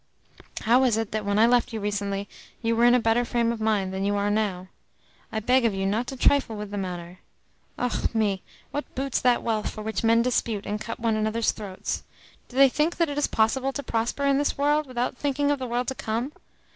How is it that when I left you recently you were in a better frame of mind than you are now? I beg of you not to trifle with the matter. Ah me! what boots that wealth for which men dispute and cut one another's throats? Do they think that it is possible to prosper in this world without thinking of the world to come?